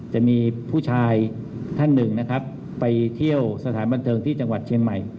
จะมีผู้ชายท่านหนึ่งนะครับไปเที่ยวสถานบันเทิงที่จังหวัดเชียงใหม่